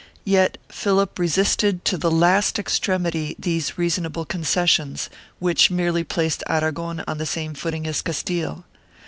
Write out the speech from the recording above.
Yet Philip resisted to the last extremity these reasonable concessions, which merely placed Aragon on the same footing as Castile.